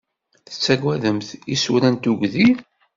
Tettagademt isura n tugdi?